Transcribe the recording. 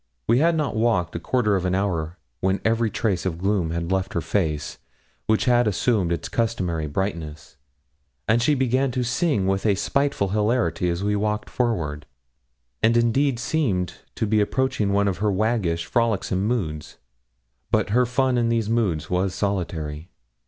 We had not walked a quarter of an hour when every trace of gloom had left her face, which had assumed its customary brightness, and she began to sing with a spiteful hilarity as we walked forward, and indeed seemed to be approaching one of her waggish, frolicsome moods. But her fun in these moods was solitary.